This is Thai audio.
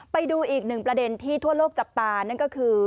ไปดูอีกหนึ่งประเด็นที่ทั่วโลกจับตานั่นก็คือ